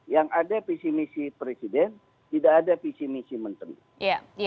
yang ada visi misi presiden tidak ada visi misi menteri